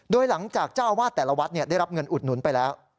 โดยหลังจากเจ้าอาวาสแต่ละวัดได้รับเงินอุดหนุนไปแล้ว